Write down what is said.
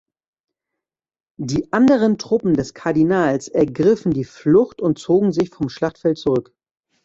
Die anderen Truppen des Kardinals ergriffen die Flucht und zogen sich vom Schlachtfeld zurück.